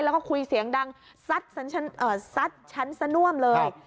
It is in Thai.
แล้วก็คุยเสียงดังซัดชั้นสน่วมเลย